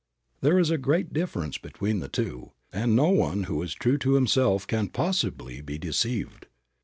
There is a great difference between the two, and no one who is true to himself can possibly be deceived.